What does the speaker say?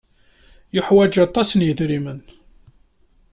Yeḥwaj aṭas n yidrimen?